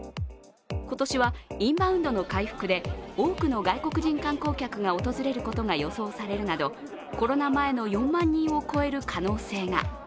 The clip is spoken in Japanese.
今年はインバウンドの回復で多くの外国人観光客が訪れることが予想されるなどコロナ前の４万人を超える可能性が。